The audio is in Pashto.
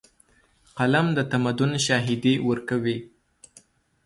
قلم د تمدن شاهدي ورکوي.